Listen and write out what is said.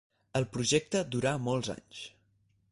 El projecte durà molts anys.